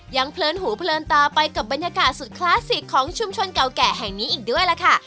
เพลินหูเพลินตาไปกับบรรยากาศสุดคลาสสิกของชุมชนเก่าแก่แห่งนี้อีกด้วยล่ะค่ะ